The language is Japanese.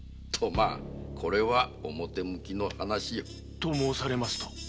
まあこれは表向きの話よ。と申されますと？